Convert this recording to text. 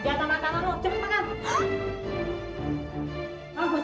jatah mata lo cepet bangun